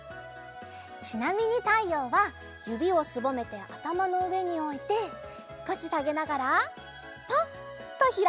ちなみに「たいよう」はゆびをすぼめてあたまのうえにおいてすこしさげながらパッとひらくよ。